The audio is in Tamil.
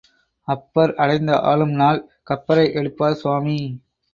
அப்பர் அடைந்த ஆளும் நாள் கப்பரை எடுப்பார் சுவாமி.